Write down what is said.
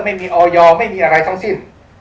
ไม่มีออยไม่มีอะไรทั้งสิ้น